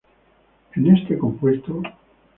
En este compuesto.